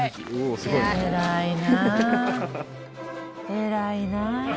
偉いな。